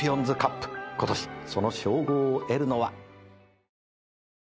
今年その称号を得るのは。